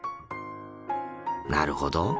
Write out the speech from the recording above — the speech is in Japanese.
なるほど。